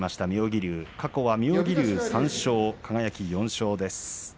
過去は妙義龍３勝、輝４勝です。